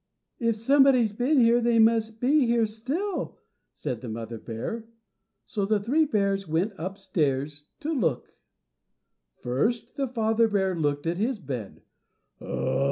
"+If somebody's been here they must be here still+," said the mother bear; so the three bears went upstairs to look. First the father bear looked at his bed.